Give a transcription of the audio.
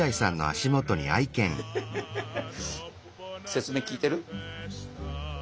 説明聞いてる？